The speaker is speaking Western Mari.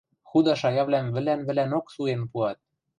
Худа шаявлӓм вӹлӓн-вӹлӓнок суен пуат.